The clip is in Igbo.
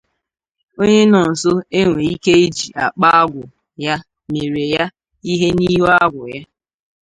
onye nọ nso enwee ike iji akpa agwụ ya meere ya ihe n'ihu agwụ ya